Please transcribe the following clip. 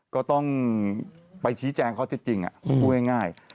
ก็ต้องไปชี้แจงข้อเท็จจริงพูดง่าย